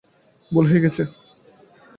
ভুল হয়ে গেছে।